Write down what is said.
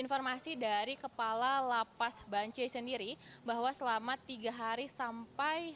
dan informasi dari kepala lapas bancai sendiri bahwa selama tiga hari sampai